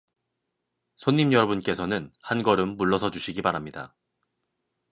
손님 여러분께서는 한걸음 물러서 주시기 바랍니다.